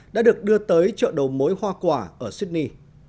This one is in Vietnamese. đã được đưa tới chợ đầu mối hoa quả ở sydney